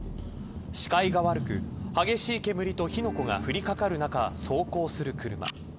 視界が悪く激しい煙と火の粉が降りかかる中、走行する車。